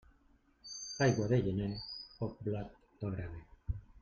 Aigua de gener, poc blat al graner.